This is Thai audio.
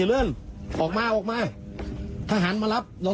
และก็จับกลุ่มฮามาสอีก๒๖คน